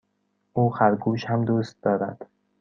او خرگوش هم دوست دارد.